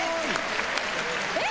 えっ？